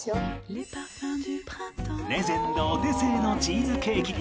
レジェンドお手製のチーズケーキ